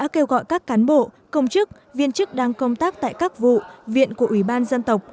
kêu gọi các cán bộ công chức viên chức đang công tác tại các vụ viện của ủy ban dân tộc